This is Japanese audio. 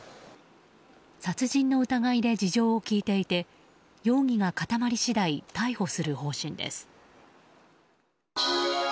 殺人の疑いで事情を聴いていて容疑が固まり次第逮捕する方針です。